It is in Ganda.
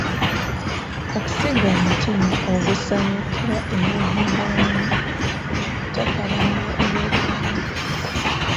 Okusiga omutima ogusanyukira era ogwagala wamu n’okutakabanira eby’obuwangwa.